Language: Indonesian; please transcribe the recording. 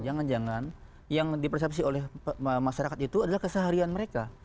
jangan jangan yang dipersepsi oleh masyarakat itu adalah keseharian mereka